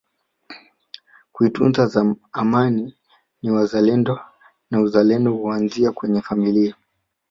kuitunza Amani ni uzalendo na uzalendo unaanzia kwenye familia